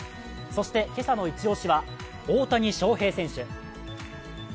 そして今朝のイチ押しは大谷翔平選手。